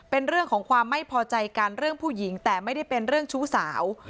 เป็นเรื่องของความไม่พอใจกันเรื่องผู้หญิงแต่ไม่ได้เป็นเรื่องชู้สาว